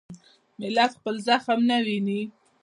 ملت خپل زخم نه ویني.